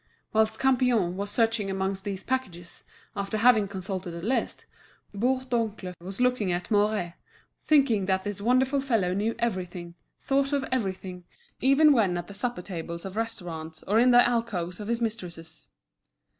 Whilst Campion was searching amongst these packets, after having consulted a list, Bourdoncle was looking at Mouret, thinking that this wonderful fellow knew everything, thought of everything, even when at the supper tables of restaurants or in the alcoves of his mistresses.